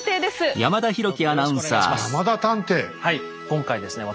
今回ですね